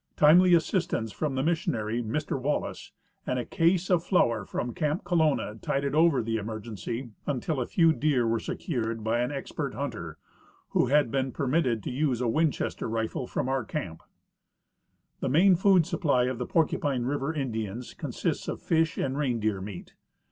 Timely assistance from the missionary, Mr Wallis, and a case of flour from camp Colonna tided over the emergency until a few deer were secured by an expert hunter, who had been j)ermitted the use of a Winchester rifle from our camp. The main food supply of the Porcupine River Indians consists of fish and reindeer meat.